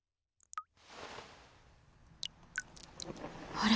あれ？